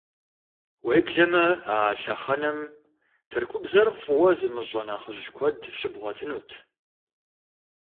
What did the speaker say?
Уеблэмэ а лъэхъэнэм Тыркубзэр фӀыуэ зымыщӀэ нэхъыжь куэд щыбгъуэтынут.